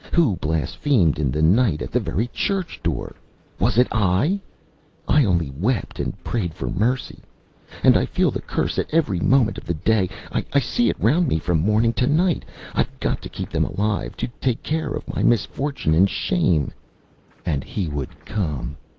Who blasphemed in the night at the very church door? Was it I? ... I only wept and prayed for mercy ... and I feel the curse at every moment of the day I see it round me from morning to night ... IÂve got to keep them alive to take care of my misfortune and shame. And he would come.